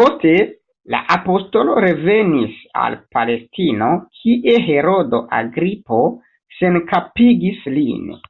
Poste la apostolo revenis al Palestino, kie Herodo Agripo senkapigis lin.